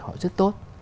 họ rất tốt